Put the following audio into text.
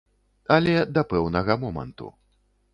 Але да пэўнага моманту.